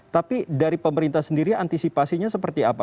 tapi dari pemerintah sendiri antisipasinya seperti apa